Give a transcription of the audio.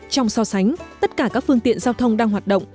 trong so sánh tất cả các phương tiện giao thông đang hoạt động